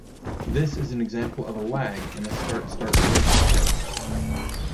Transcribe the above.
This is an example of a "lag" in a Start-Start relationship.